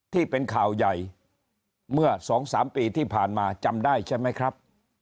ที่เป็นข่าวใหญ่เมื่อ๒๓ปีที่ผ่านมาจำได้ใช่ไหมครับ